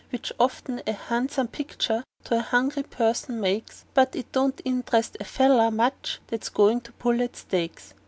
Which often a han'some pictur' to a hungry person makes, But it don't interest a feller much that's goin' to pull up stakes.